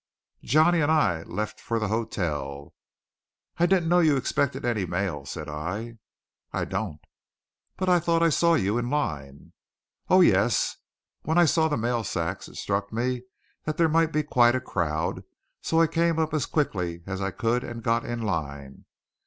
Johnny and I left for the hotel. "I didn't know you expected any mail," said I. "I don't." "But thought I saw you in line " "Oh, yes. When I saw the mail sacks, it struck me that there might be quite a crowd; so I came up as quickly as I could and got in line.